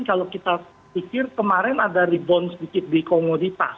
kalau kita pikir kemarin ada rebound sedikit di komoditas